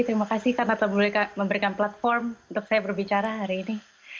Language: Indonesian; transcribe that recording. terima kasih karena telah memberikan platform untuk saya berbicara hari ini